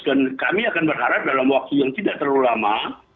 dan kami akan berharap dalam waktu yang tidak terlalu lama